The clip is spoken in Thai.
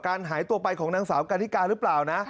หายตัวไปของนางสาวกันนิกาหรือเปล่านะ